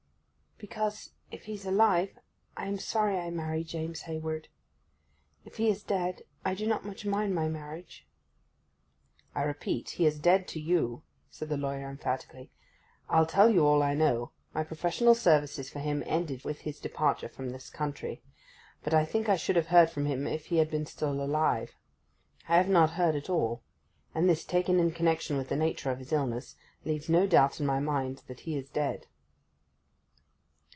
'Because, if he's alive, I am sorry I married James Hayward. If he is dead I do not much mind my marriage.' 'I repeat, he is dead to you,' said the lawyer emphatically. 'I'll tell you all I know. My professional services for him ended with his departure from this country; but I think I should have heard from him if he had been alive still. I have not heard at all: and this, taken in connection with the nature of his illness, leaves no doubt in my mind that he is dead.